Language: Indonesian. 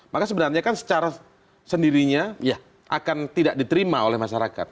maka sebenarnya kan secara sendirinya akan tidak diterima oleh masyarakat